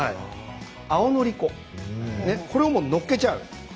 青のり粉これをもうのっけちゃう。